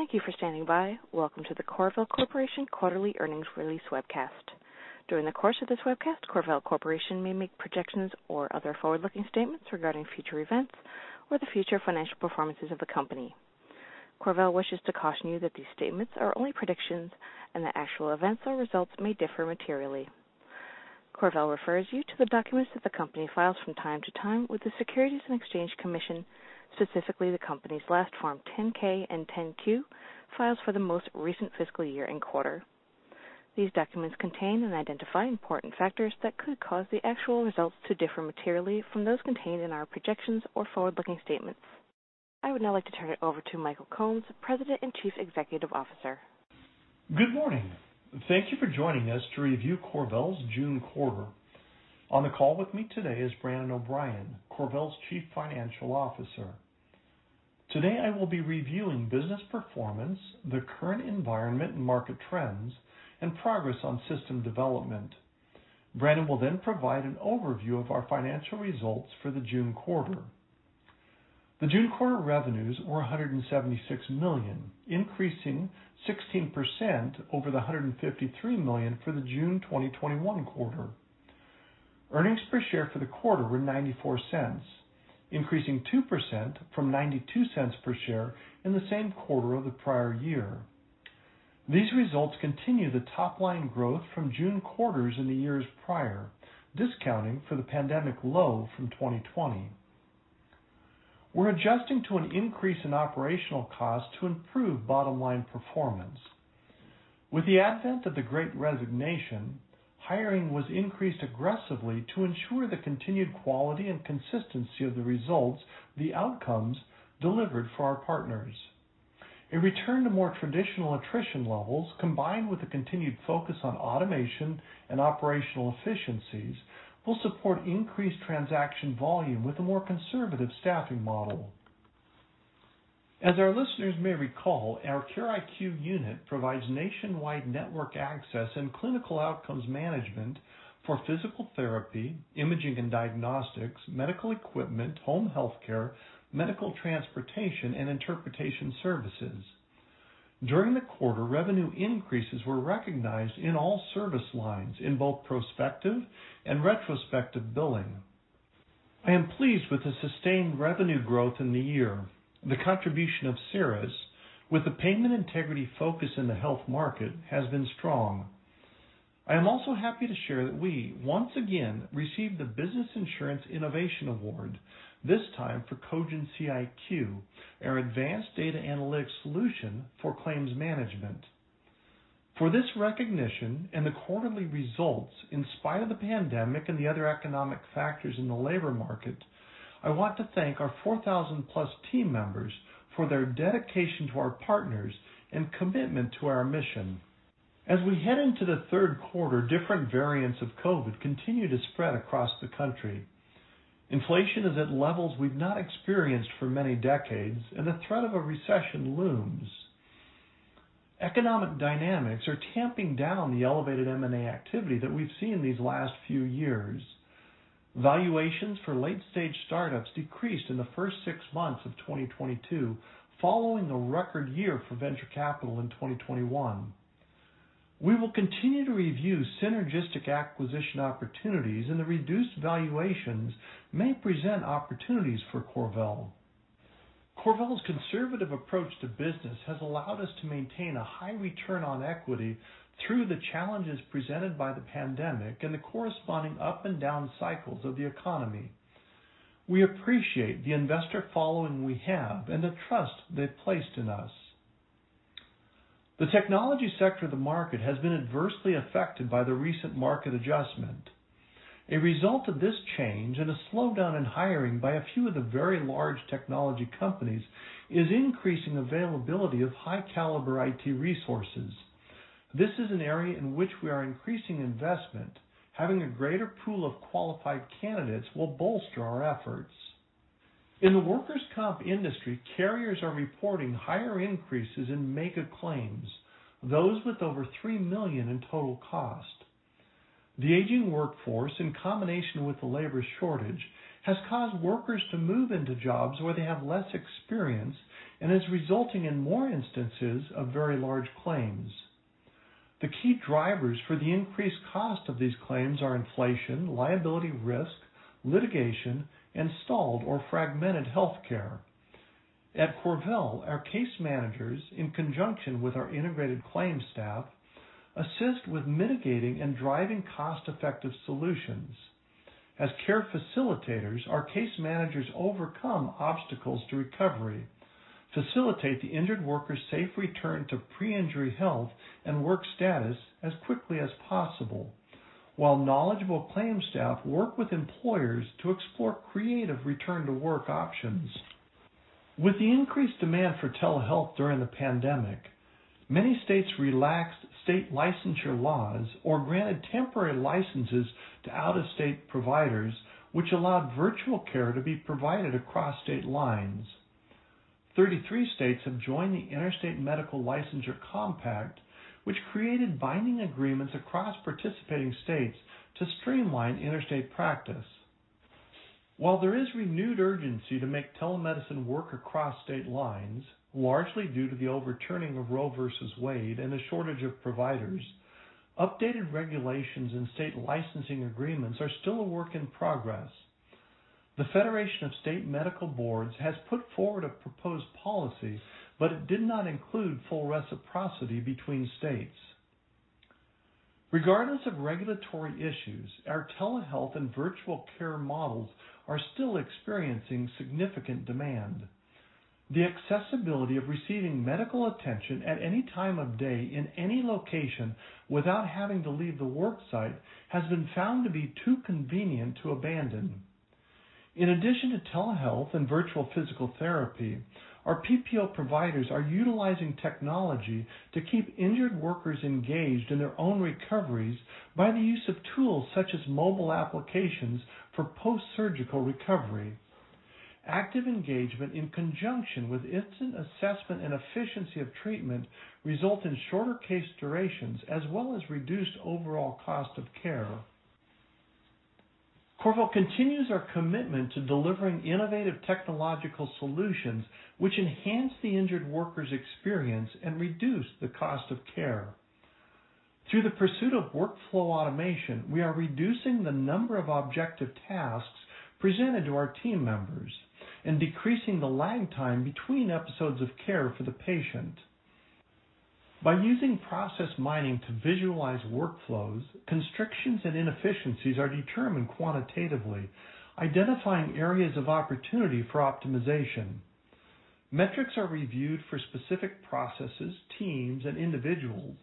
Thank you for standing by. Welcome to the CorVel Corporation quarterly earnings release webcast. During the course of this webcast, CorVel Corporation may make projections or other forward-looking statements regarding future events or the future financial performances of the company. CorVel wishes to caution you that these statements are only predictions and that actual events or results may differ materially. CorVel refers you to the documents that the company files from time to time with the Securities and Exchange Commission, specifically the company's last Form 10-K and 10-Q filings for the most recent fiscal year and quarter. These documents contain and identify important factors that could cause the actual results to differ materially from those contained in our projections or forward-looking statements. I would now like to turn it over to Michael Combs, President and Chief Executive Officer. Good morning. Thank you for joining us to review CorVel's June quarter. On the call with me today is Brandon O'Brien, CorVel's Chief Financial Officer. Today I will be reviewing business performance, the current environment and market trends, and progress on system development. Brandon will then provide an overview of our financial results for the June quarter. The June quarter revenues were $176 million, increasing 16% over the $153 million for the June 2021 quarter. Earnings per share for the quarter were $0.94, increasing 2% from $0.92 per share in the same quarter of the prior year. These results continue the top line growth from June quarters in the years prior, discounting for the pandemic low from 2020. We're adjusting to an increase in operational costs to improve bottom-line performance. With the advent of the great resignation, hiring was increased aggressively to ensure the continued quality and consistency of the results, the outcomes delivered for our partners. A return to more traditional attrition levels, combined with a continued focus on automation and operational efficiencies, will support increased transaction volume with a more conservative staffing model. As our listeners may recall, our CareIQ unit provides nationwide network access and clinical outcomes management for physical therapy, imaging and diagnostics, medical equipment, home health care, medical transportation, and interpretation services. During the quarter, revenue increases were recognized in all service lines in both prospective and retrospective billing. I am pleased with the sustained revenue growth in the year. The contribution of CERIS with the payment integrity focus in the health market has been strong. I am also happy to share that we once again received the Business Insurance Innovation Award, this time for CogencyIQ, our advanced data analytics solution for claims management. For this recognition and the quarterly results in spite of the pandemic and the other economic factors in the labor market, I want to thank our 4,000+ team members for their dedication to our partners and commitment to our mission. As we head into the third quarter, different variants of COVID continue to spread across the country. Inflation is at levels we've not experienced for many decades, and the threat of a recession looms. Economic dynamics are tamping down the elevated M&A activity that we've seen these last few years. Valuations for late stage startups decreased in the first six months of 2022, following a record year for venture capital in 2021. We will continue to review synergistic acquisition opportunities, and the reduced valuations may present opportunities for CorVel. CorVel's conservative approach to business has allowed us to maintain a high return on equity through the challenges presented by the pandemic and the corresponding up and down cycles of the economy. We appreciate the investor following we have and the trust they've placed in us. The technology sector of the market has been adversely affected by the recent market adjustment. A result of this change and a slowdown in hiring by a few of the very large technology companies is increasing availability of high caliber IT resources. This is an area in which we are increasing investment. Having a greater pool of qualified candidates will bolster our efforts. In the workers comp industry, carriers are reporting higher increases in mega claims, those with over $3 million in total cost. The aging workforce, in combination with the labor shortage, has caused workers to move into jobs where they have less experience and is resulting in more instances of very large claims. The key drivers for the increased cost of these claims are inflation, liability risk, litigation, and stalled or fragmented healthcare. At CorVel, our case managers, in conjunction with our integrated claims staff, assist with mitigating and driving cost effective solutions. As care facilitators, our case managers overcome obstacles to recovery, facilitate the injured workers safe return to pre-injury health and work status as quickly as possible. While knowledgeable claims staff work with employers to explore creative return to work options. With the increased demand for telehealth during the pandemic, many states relaxed state licensure laws or granted temporary licenses to out-of-state providers, which allowed virtual care to be provided across state lines. 33 states have joined the Interstate Medical Licensure Compact, which created binding agreements across participating states to streamline interstate practice. While there is renewed urgency to make telemedicine work across state lines, largely due to the overturning of Roe v. Wade and the shortage of providers, updated regulations and state licensing agreements are still a work in progress. The Federation of State Medical Boards has put forward a proposed policy, but it did not include full reciprocity between states. Regardless of regulatory issues, our telehealth and virtual care models are still experiencing significant demand. The accessibility of receiving medical attention at any time of day in any location without having to leave the work site has been found to be too convenient to abandon. In addition to telehealth and virtual physical therapy, our PPO providers are utilizing technology to keep injured workers engaged in their own recoveries by the use of tools such as mobile applications for post-surgical recovery. Active engagement in conjunction with instant assessment and efficiency of treatment result in shorter case durations as well as reduced overall cost of care. CorVel continues our commitment to delivering innovative technological solutions which enhance the injured workers' experience and reduce the cost of care. Through the pursuit of workflow automation, we are reducing the number of objective tasks presented to our team members and decreasing the lag time between episodes of care for the patient. By using process mining to visualize workflows, constrictions and inefficiencies are determined quantitatively, identifying areas of opportunity for optimization. Metrics are reviewed for specific processes, teams, and individuals,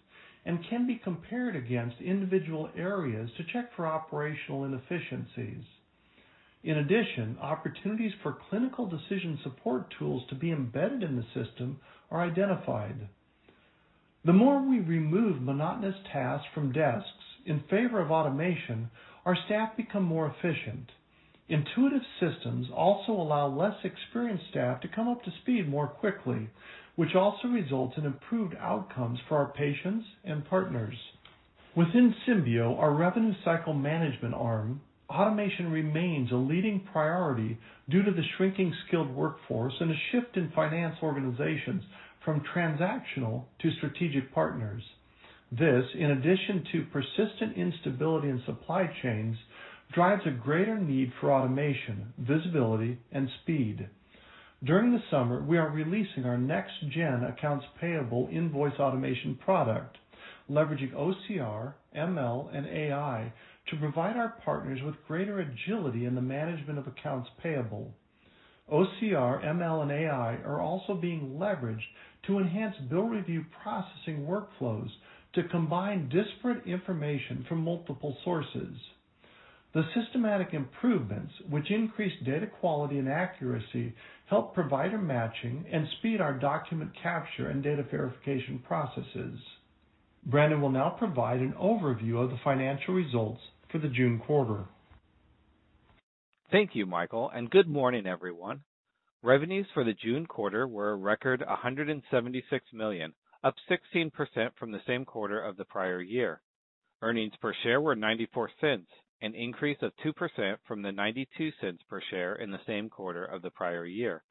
and can be compared against individual areas to check for operational inefficiencies. In addition, opportunities for clinical decision support tools to be embedded in the system are identified. The more we remove monotonous tasks from desks in favor of automation, our staff become more efficient. Intuitive systems also allow less experienced staff to come up to speed more quickly, which also results in improved outcomes for our patients and partners. Within Symbeo, our revenue cycle management arm, automation remains a leading priority due to the shrinking skilled workforce and a shift in finance organizations from transactional to strategic partners. This, in addition to persistent instability in supply chains, drives a greater need for automation, visibility, and speed. During the summer, we are releasing our next gen accounts payable invoice automation product, leveraging OCR, ML, and AI to provide our partners with greater agility in the management of accounts payable. OCR, ML, and AI are also being leveraged to enhance bill review processing workflows to combine disparate information from multiple sources. The systematic improvements which increase data quality and accuracy help provider matching and speed our document capture and data verification processes. Brandon will now provide an overview of the financial results for the June quarter. Thank you, Michael, and good morning, everyone. Revenues for the June quarter were a record $176 million, up 16% from the same quarter of the prior year. Earnings per share were $0.94, an increase of 2% from the $0.92 per share in the same quarter of the prior year.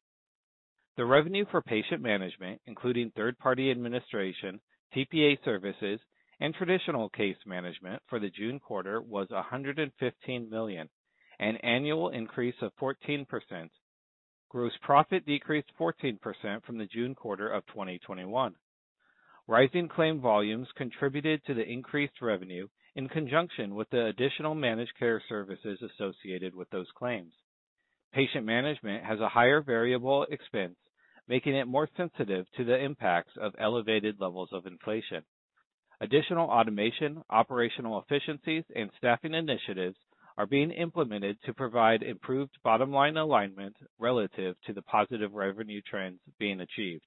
The revenue for patient management, including third party administration, TPA services, and traditional case management for the June quarter was $115 million, an annual increase of 14%. Gross profit decreased 14% from the June quarter of 2021. Rising claim volumes contributed to the increased revenue in conjunction with the additional managed care services associated with those claims. Patient Management has a higher variable expense, making it more sensitive to the impacts of elevated levels of inflation. Additional automation, operational efficiencies, and staffing initiatives are being implemented to provide improved bottom-line alignment relative to the positive revenue trends being achieved.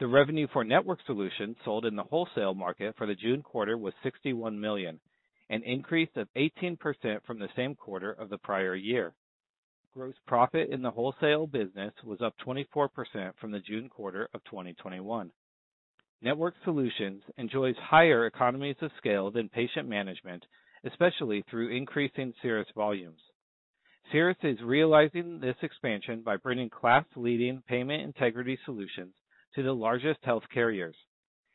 The revenue for network solutions sold in the wholesale market for the June quarter was $61 million, an increase of 18% from the same quarter of the prior year. Gross profit in the wholesale business was up 24% from the June quarter of 2021. Network Solutions enjoys higher economies of scale than patient management, especially through increasing CERIS volumes. CERIS is realizing this expansion by bringing class leading Payment Integrity solutions to the largest health carriers.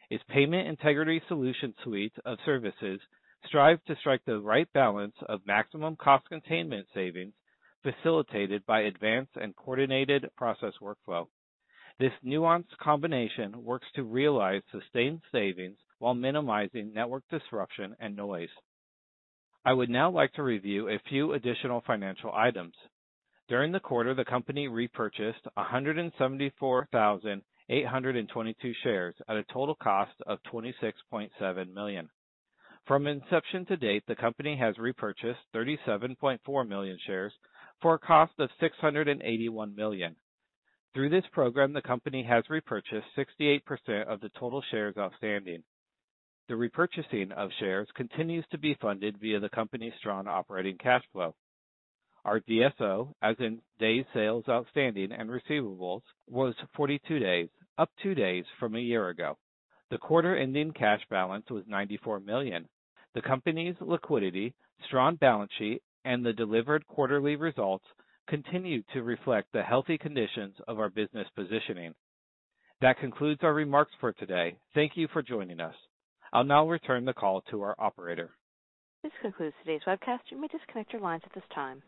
Its Payment Integrity solutions suite of services strives to strike the right balance of maximum cost containment savings facilitated by advanced and coordinated process workflow. This nuanced combination works to realize sustained savings while minimizing network disruption and noise. I would now like to review a few additional financial items. During the quarter, the company repurchased 174,822 shares at a total cost of $26.7 million. From inception to date, the company has repurchased 37.4 million shares for a cost of $681 million. Through this program, the company has repurchased 68% of the total shares outstanding. The repurchasing of shares continues to be funded via the company's strong operating cash flow. Our DSO, as in days sales outstanding and receivables, was 42 days, up two days from a year ago. The quarter-ending cash balance was $94 million. The company's liquidity, strong balance sheet, and the delivered quarterly results continue to reflect the healthy conditions of our business positioning. That concludes our remarks for today. Thank you for joining us. I'll now return the call to our operator. This concludes today's webcast. You may disconnect your lines at this time.